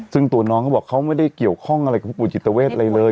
ซึ่งตัวน้องเขาบอกเขาไม่ได้เกี่ยวข้องอะไรกับผู้ป่วยจิตเวทอะไรเลย